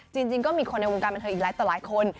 จริงก็มีคนในวงการบริษัทอีกหลายคน